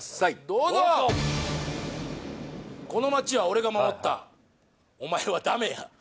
どうぞ「この街は俺が守ったお前は駄目や」